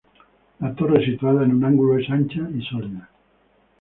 La torre, situada en un ángulo, es ancha y sólida.